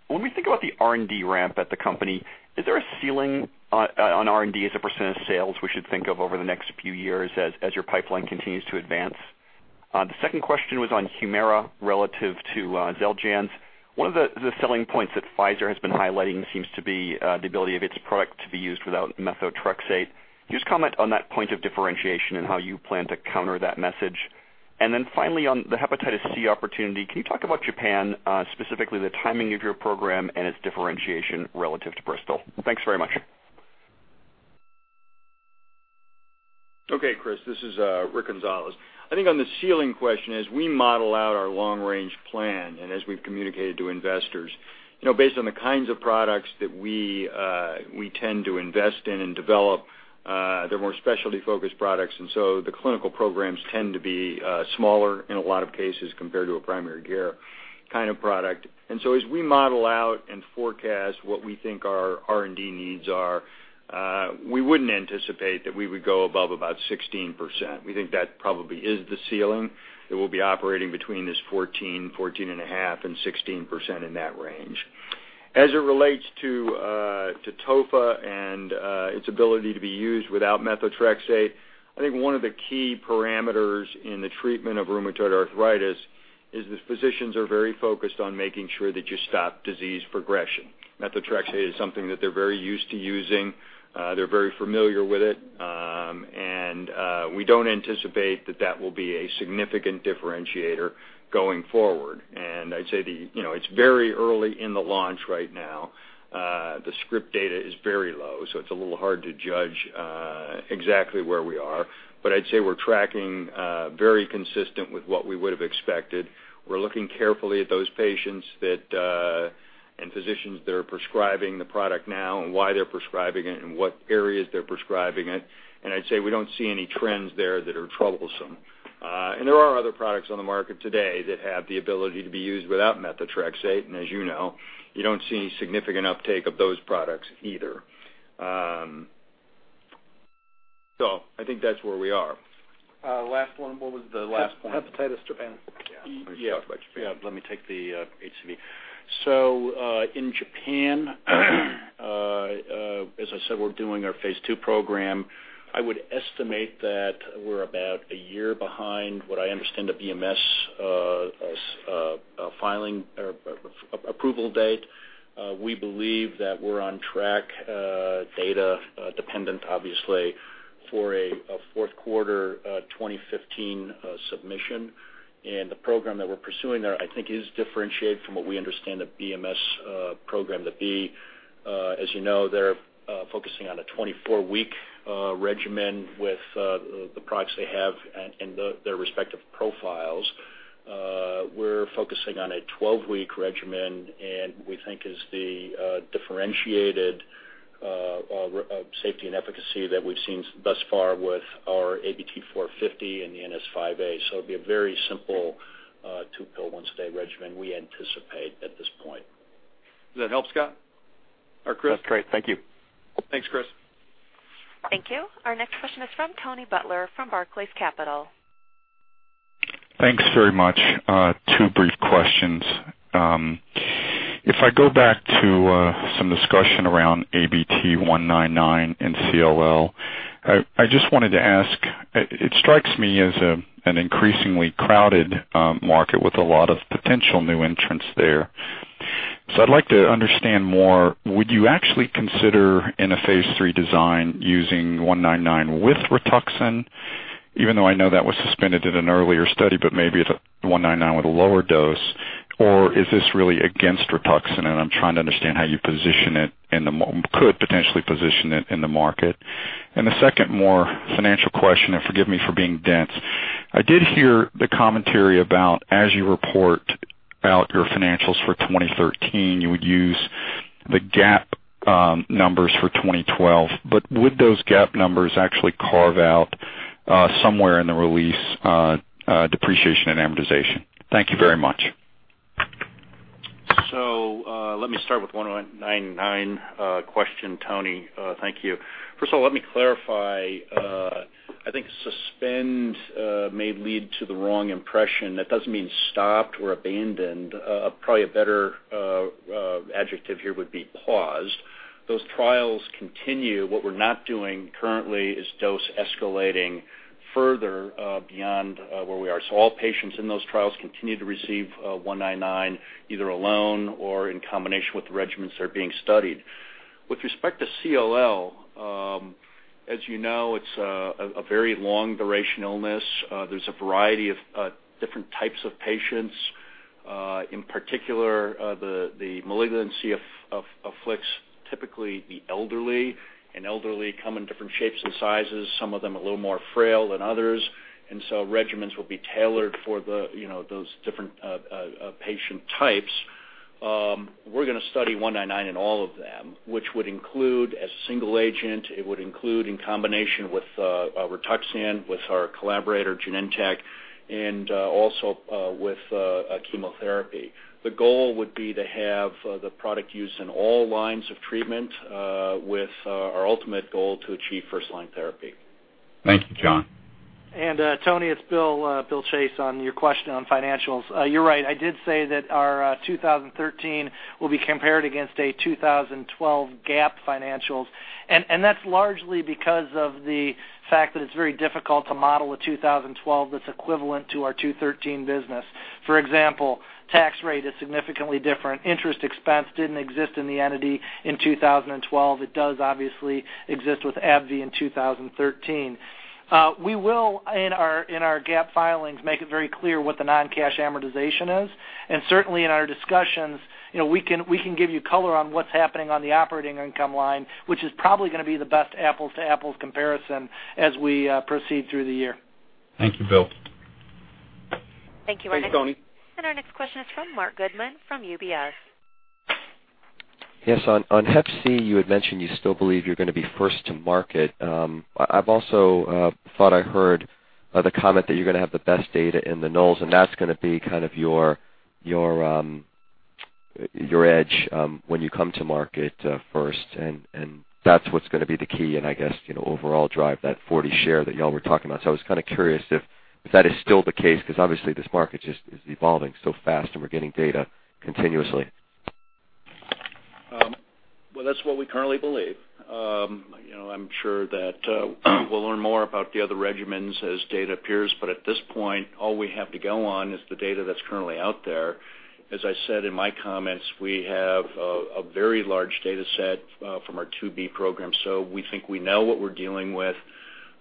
When we think about the R&D ramp at the company, is there a ceiling on R&D as a percent of sales we should think of over the next few years as your pipeline continues to advance? The second question was on HUMIRA relative to XELJANZ. One of the selling points that Pfizer has been highlighting seems to be the ability of its product to be used without methotrexate. Can you just comment on that point of differentiation and how you plan to counter that message? Finally, on the hepatitis C opportunity, can you talk about Japan, specifically the timing of your program and its differentiation relative to Bristol? Thanks very much. Okay, Chris, this is Rick Gonzalez. On the ceiling question, as we model out our long-range plan, as we've communicated to investors. Based on the kinds of products that we tend to invest in and develop, they're more specialty-focused products, the clinical programs tend to be smaller in a lot of cases compared to a primary care kind of product. As we model out and forecast what we think our R&D needs are, we wouldn't anticipate that we would go above about 16%. We think that probably is the ceiling, that we'll be operating between this 14.5, and 16% in that range. As it relates to Tofa and its ability to be used without methotrexate, one of the key parameters in the treatment of rheumatoid arthritis is that physicians are very focused on making sure that you stop disease progression. Methotrexate is something that they're very used to using. They're very familiar with it. We don't anticipate that that will be a significant differentiator going forward. I'd say that it's very early in the launch right now. The script data is very low, so it's a little hard to judge exactly where we are. I'd say we're tracking very consistent with what we would've expected. We're looking carefully at those patients and physicians that are prescribing the product now, and why they're prescribing it, and what areas they're prescribing it. I'd say we don't see any trends there that are troublesome. There are other products on the market today that have the ability to be used without methotrexate, as you know, you don't see any significant uptake of those products either. That's where we are. Last one. What was the last point? Hepatitis, Japan. Yeah. You talked about Japan. Yeah. Let me take the HCV. In Japan as I said, we're doing our phase II program. I would estimate that we're about a year behind what I understand a BMS approval date. We believe that we're on track, data dependent, obviously, for a fourth quarter 2015 submission. The program that we're pursuing there, I think, is differentiated from what we understand the BMS program to be. As you know, they're focusing on a 24-week regimen with the products they have and their respective profiles. We're focusing on a 12-week regimen, and we think is the differentiated safety and efficacy that we've seen thus far with our ABT-450 and the NS5A. It'll be a very simple two-pill once-a-day regimen we anticipate at this point. Does that help, Scott or Chris? That's great. Thank you. Thanks, Chris. Thank you. Our next question is from Tony Butler from Barclays Capital. Thanks very much. Two brief questions. If I go back to some discussion around ABT-199 and CLL, I just wanted to ask, it strikes me as an increasingly crowded market with a lot of potential new entrants there. I'd like to understand more. Would you actually consider, in a phase III design, using 199 with RITUXAN, even though I know that was suspended in an earlier study, but maybe the 199 with a lower dose? Is this really against RITUXAN? I'm trying to understand how you could potentially position it in the market. The second, more financial question, and forgive me for being dense. I did hear the commentary about as you report out your financials for 2013, you would use the GAAP numbers for 2012. Would those GAAP numbers actually carve out somewhere in the release depreciation and amortization? Thank you very much. Let me start with 199 question, Tony. Thank you. First of all, let me clarify. I think suspend may lead to the wrong impression. That doesn't mean stopped or abandoned. Probably a better adjective here would be paused. Those trials continue. What we're not doing currently is dose escalating further beyond where we are. All patients in those trials continue to receive 199, either alone or in combination with the regimens that are being studied. With respect to CLL, as you know, it's a very long duration illness. There's a variety of different types of patients. In particular, the malignancy afflicts typically the elderly, and elderly come in different shapes and sizes. Some of them a little more frail than others. Regimens will be tailored for those different patient types. We're going to study 199 in all of them, which would include as single agent, it would include in combination with RITUXAN with our collaborator, Genentech, and also with chemotherapy. The goal would be to have the product used in all lines of treatment, with our ultimate goal to achieve first-line therapy. Thank you, John. Tony, it's Bill Chase on your question on financials. You're right, I did say that our 2013 will be compared against a 2012 GAAP financials. That's largely because of the fact that it's very difficult to model a 2012 that's equivalent to our 2013 business. For example, tax rate is significantly different. Interest expense didn't exist in the entity in 2012. It does obviously exist with AbbVie in 2013. We will, in our GAAP filings, make it very clear what the non-cash amortization is. Certainly, in our discussions, we can give you color on what's happening on the operating income line, which is probably going to be the best apples-to-apples comparison as we proceed through the year. Thank you, Bill. Thanks, Tony. Thank you. Our next question is from Marc Goodman from UBS. Yes, on hep C, you had mentioned you still believe you're going to be first to market. I've also thought I heard the comment that you're going to have the best data in the nulls, and that's going to be kind of your edge when you come to market first, and that's what's going to be the key and I guess overall drive that 40% share that y'all were talking about. I was kind of curious if that is still the case, because obviously this market just is evolving so fast and we're getting data continuously. That's what we currently believe. I'm sure that we'll learn more about the other regimens as data appears. At this point, all we have to go on is the data that's currently out there. As I said in my comments, we have a very large data set from our phase II-B program. We think we know what we're dealing with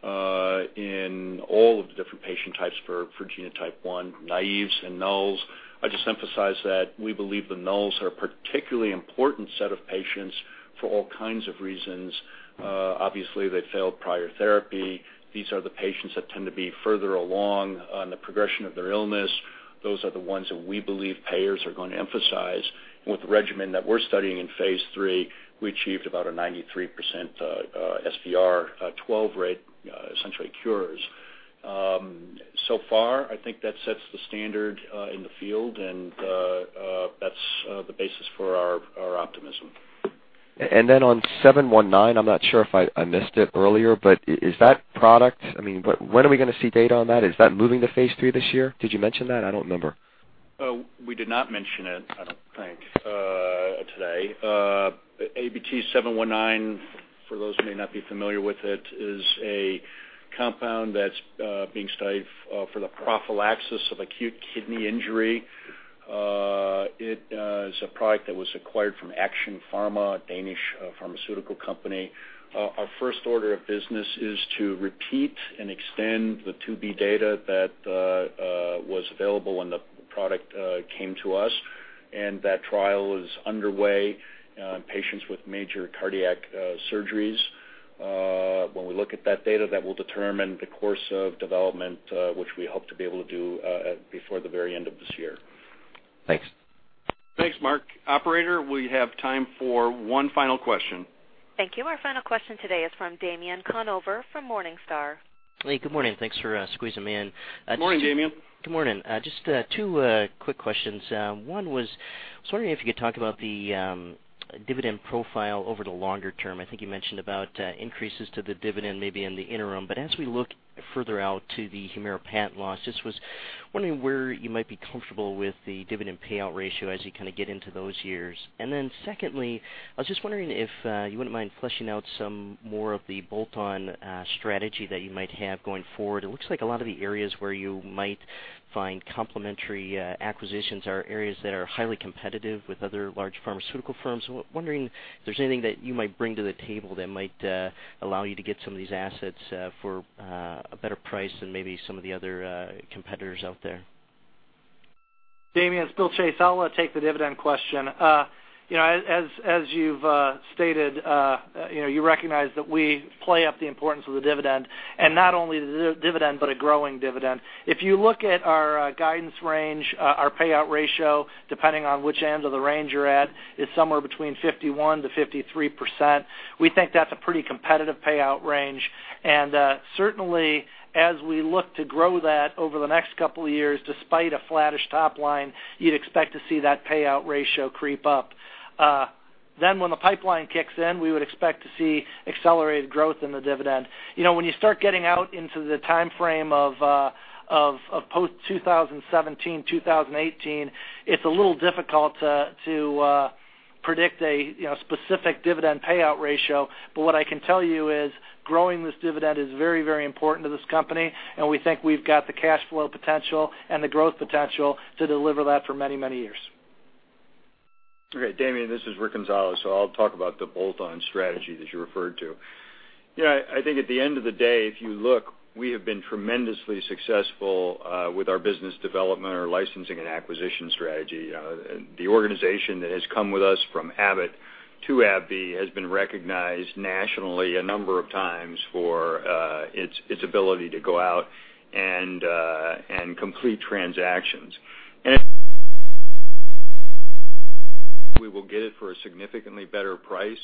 in all of the different patient types for genotype 1, naives and nulls. I'd just emphasize that we believe the nulls are a particularly important set of patients for all kinds of reasons. Obviously, they failed prior therapy. These are the patients that tend to be further along on the progression of their illness. Those are the ones that we believe payers are going to emphasize. With the regimen that we're studying in phase III, we achieved about a 93% SVR12 rate, essentially cures. So far, I think that sets the standard in the field. That's the basis for our optimism. On 719, I'm not sure if I missed it earlier. Is that product when are we going to see data on that? Is that moving to phase III this year? Did you mention that? I don't remember. We did not mention it, I don't think today. ABT-719, for those who may not be familiar with it, is a compound that's being studied for the prophylaxis of acute kidney injury. It is a product that was acquired from Action Pharma, a Danish pharmaceutical company. Our first order of business is to repeat and extend the phase II-B data that was available when the product came to us, and that trial is underway in patients with major cardiac surgeries. When we look at that data, that will determine the course of development which we hope to be able to do before the very end of this year. Thanks. Thanks, Marc. Operator, we have time for one final question. Thank you. Our final question today is from Damien Conover from Morningstar. Hey, good morning. Thanks for squeezing me in. Good morning, Damien. Good morning. Just two quick questions. One was, I was wondering if you could talk about the dividend profile over the longer term. I think you mentioned about increases to the dividend maybe in the interim, but as we look further out to the HUMIRA patent loss, just was wondering where you might be comfortable with the dividend payout ratio as you kind of get into those years. Secondly, I was just wondering if you wouldn't mind fleshing out some more of the bolt-on strategy that you might have going forward. It looks like a lot of the areas where you might find complementary acquisitions are areas that are highly competitive with other large pharmaceutical firms. I'm wondering if there's anything that you might bring to the table that might allow you to get some of these assets for a better price than maybe some of the other competitors out there. Damien, it's Bill Chase. I'll take the dividend question. As you've stated, you recognize that we play up the importance of the dividend, and not only the dividend, but a growing dividend. If you look at our guidance range, our payout ratio, depending on which end of the range you're at, is somewhere between 51%-53%. We think that's a pretty competitive payout range. Certainly, as we look to grow that over the next couple of years, despite a flattish top line, you'd expect to see that payout ratio creep up. When the pipeline kicks in, we would expect to see accelerated growth in the dividend. When you start getting out into the time frame of post-2017, 2018, it's a little difficult to predict a specific dividend payout ratio. What I can tell you is growing this dividend is very, very important to this company, and we think we've got the cash flow potential and the growth potential to deliver that for many, many years. Okay, Damien, this is Rick Gonzalez. I'll talk about the bolt-on strategy that you referred to. I think at the end of the day, if you look, we have been tremendously successful with our business development or licensing and acquisition strategy. The organization that has come with us from Abbott to AbbVie has been recognized nationally a number of times for its ability to go out and complete transactions. We will get it for a significantly better price.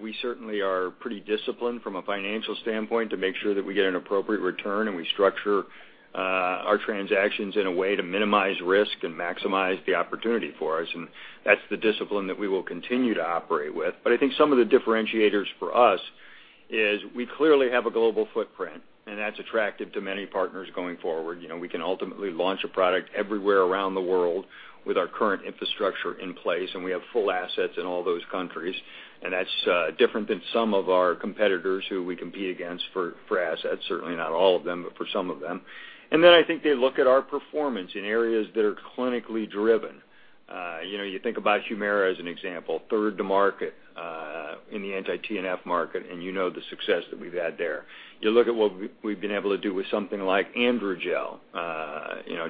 We certainly are pretty disciplined from a financial standpoint to make sure that we get an appropriate return, and we structure our transactions in a way to minimize risk and maximize the opportunity for us. That's the discipline that we will continue to operate with. I think some of the differentiators for us is we clearly have a global footprint, and that's attractive to many partners going forward. We can ultimately launch a product everywhere around the world with our current infrastructure in place, and we have full assets in all those countries. That's different than some of our competitors who we compete against for assets. Certainly not all of them, but for some of them. Then I think they look at our performance in areas that are clinically driven. You think about HUMIRA as an example, third to market in the anti-TNF market, and you know the success that we've had there. You look at what we've been able to do with something like AndroGel,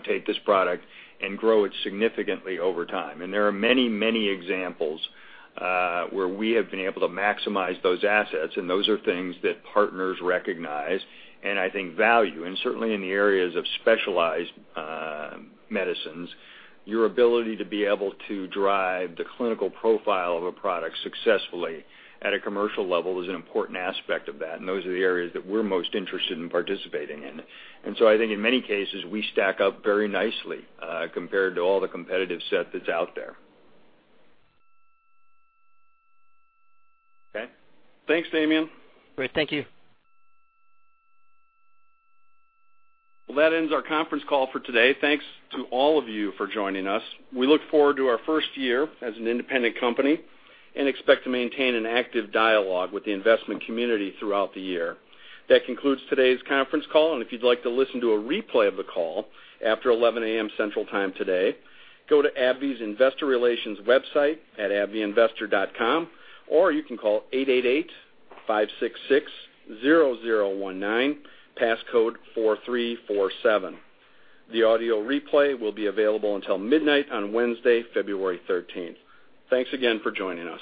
take this product and grow it significantly over time. There are many examples where we have been able to maximize those assets, and those are things that partners recognize and I think value. Certainly in the areas of specialized medicines, your ability to be able to drive the clinical profile of a product successfully at a commercial level is an important aspect of that, and those are the areas that we're most interested in participating in. I think in many cases, we stack up very nicely compared to all the competitive set that's out there. Okay. Thanks, Damien. Great. Thank you. Well, that ends our conference call for today. Thanks to all of you for joining us. We look forward to our first year as an independent company and expect to maintain an active dialogue with the investment community throughout the year. That concludes today's conference call, and if you'd like to listen to a replay of the call after 11:00 A.M. Central Time today, go to AbbVie's investor relations website at investor.abbvie.com, or you can call 888-566-0019, passcode 4347. The audio replay will be available until midnight on Wednesday, February 13th. Thanks again for joining us.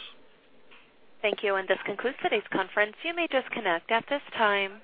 Thank you, and this concludes today's conference. You may disconnect at this time.